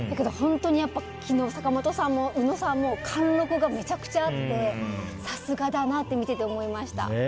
昨日、坂本さんも宇野さんも貫禄がめちゃくちゃあってさすがだなと思いました。